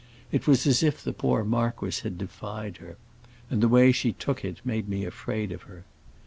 It was as if the poor marquis had defied her; and the way she took it made me afraid of her.